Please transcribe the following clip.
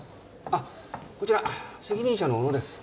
あっこちら責任者の小野です。